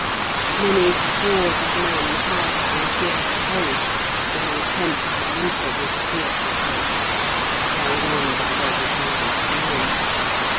Many scores of men have, I fear, perished in the attempt to enter this fearful place, carried on by their desire of gain.